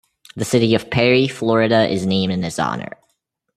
The city of Perry, Florida is named in his honor.